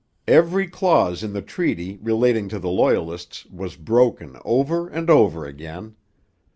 Every clause in the treaty relating to the Loyalists was broken over and over again.